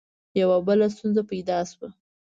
یوه بله ستونزه پیدا شوه.